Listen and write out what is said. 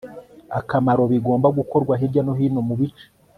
akamaro bigomba gukorwa hirya no hino mu bice